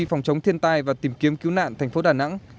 phòng chống thiên tai và tìm kiếm cứu nạn thành phố đà nẵng